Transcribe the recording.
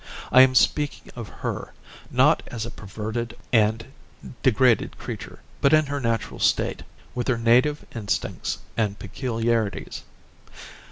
I am speaking of her, not as a perverted and degraded creature, but in her natural state, with her native instincts and peculiarities.